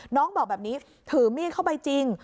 น้องบอกแบบนี้ถือมีดเข้าไปจริง